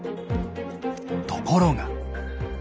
ところが。